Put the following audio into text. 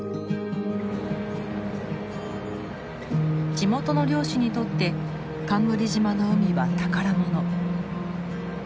地元の漁師にとって冠島の海は宝物。